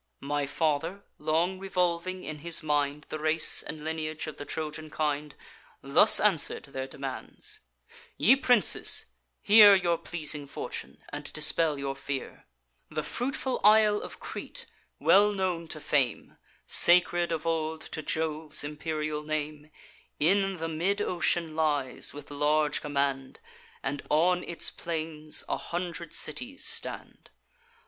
My father, long revolving in his mind The race and lineage of the Trojan kind, Thus answer'd their demands: 'Ye princes, hear Your pleasing fortune, and dispel your fear. The fruitful isle of Crete, well known to fame, Sacred of old to Jove's imperial name, In the mid ocean lies, with large command, And on its plains a hundred cities stand.